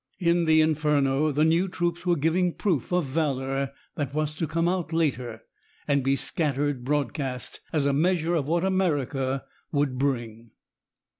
In the inferno the new troops were giving proof of valor that was to come out later and be scattered broadcast, as a measure of what America would bring.